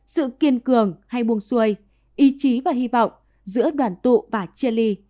sự kiên cường hay buông xuôi ý chí và hy vọng giữa đoàn tụ và chia ly